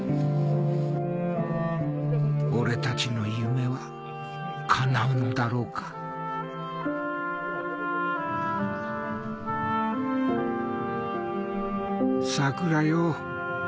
俺たちの夢はかなうんだろうか桜よ